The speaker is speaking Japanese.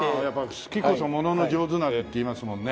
「好きこそものの上手なれ」って言いますもんね。